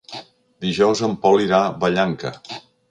Dijous en Pol irà a Vallanca.